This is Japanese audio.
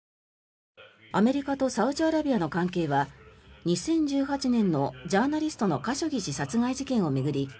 アメリカとサウジアラビアの関係は２０１８年のジャーナリストのカショギ氏殺害事件を巡り